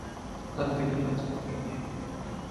اڌ گلاس پاڻين ڏي